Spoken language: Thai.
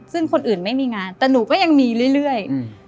ซึ่งคนอื่นไม่มีงานแต่หนูก็ยังมีเรื่อย